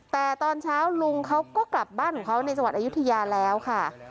แต่ตอนเช้าลุงเขาก็กลับบ้านของเขาในจังหวัดอายุทยาแล้วค่ะ